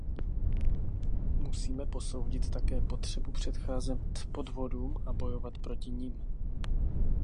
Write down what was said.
Musíme posoudit také potřebu předcházet podvodům a bojovat proti nim.